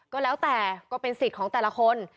ก็แล้วแต่ก็เป็นสิทธิ์ของแต่ละคน